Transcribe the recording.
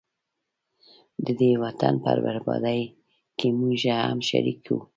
ددې وطن په بربادۍ کي موږه هم شریک وو